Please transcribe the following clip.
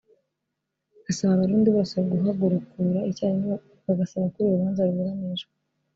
Asaba abarundi bose guhagurukura icyarimwe bagasaba ko uru rubanza ruburanishwa